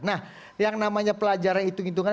nah yang namanya pelajaran hitung hitungan